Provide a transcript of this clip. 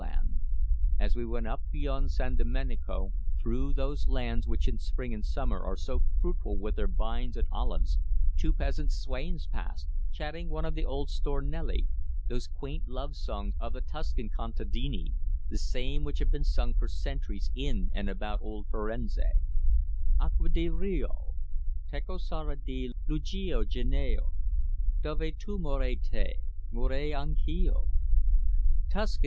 And as we went up beyond San Domenico, through those lands which in spring and summer are so fruitful with their vines and olives, two peasant swains passed, chanting one of the old stornelli, those quaint love songs of the Tuscan contadini the same which have been sung for centuries in and about old Firenze: Acqua di rio. Teco sarò di luglio e di gennaio Dove tu muori te, morirò anch'io.